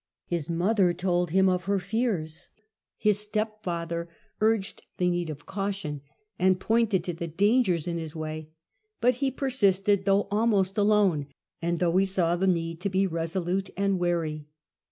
His mother told him of her fears, his stepfather urged the need of caution, and pointed to the dangers in his way ; but he persisted, though almost alone, and though he saw the need to be resolute and wary.